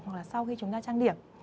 hoặc là sau khi chúng ta trang điểm